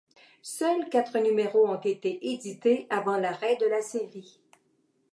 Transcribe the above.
Seuls quatre numéros ont été édités avant l'arrêt de la série.